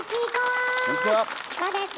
チコです！